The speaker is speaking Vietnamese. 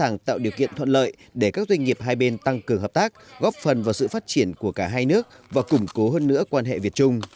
tạo điều kiện thuận lợi để các doanh nghiệp hai bên tăng cường hợp tác góp phần vào sự phát triển của cả hai nước và củng cố hơn nữa quan hệ việt trung